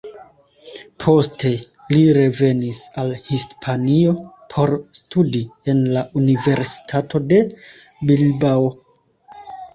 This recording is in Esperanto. Poste, li revenis al Hispanio por studi en la universitato de Bilbao.